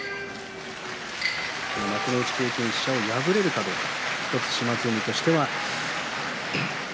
幕内経験者を破れるかどうか島津海としては。